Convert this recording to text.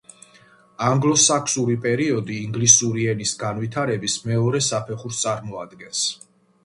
ანგლო-საქსური პერიოდი ინგლისური ენის განვითარების მეორე საფეხურს წარმოადგენს.